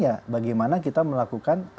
ya bagaimana kita melakukan